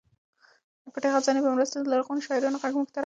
د پټې خزانې په مرسته د لرغونو شاعرانو غږ موږ ته راغلی.